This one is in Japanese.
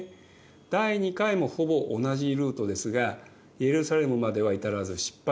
第２回もほぼ同じルートですがエルサレムまでは至らず失敗しています。